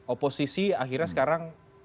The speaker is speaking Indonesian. oposisi akhirnya sekarang